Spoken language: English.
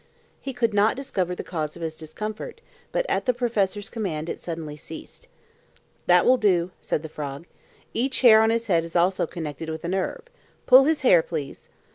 He could not discover the cause of his discomfort, but at the professor's command it suddenly ceased. "That will do," said the frog. "Each hair on his head is also connected with a nerve. Pull his hair, please!"